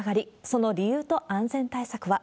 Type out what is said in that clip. その理由と安全対策は。